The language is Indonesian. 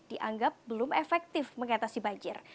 dianggap belum efektif mengatasi banjir